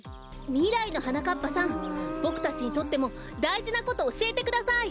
みらいのはなかっぱさんボクたちにとってもだいじなことおしえてください！